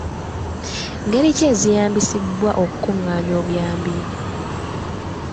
Ngeri ki ezeeyambisibwa okukungaanya obuyambi?